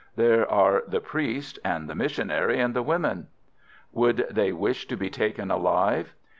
There are the priest, and the missionary, and the women." "Would they wish to be taken alive?"